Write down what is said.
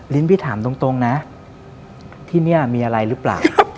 พี่ถามตรงนะที่นี่มีอะไรหรือเปล่า